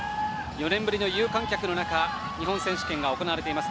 ４年ぶりの有観客の中日本選手権が行われています。